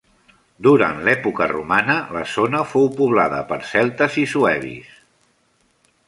Durant l'època romana, la zona fou poblada per celtes i suebi.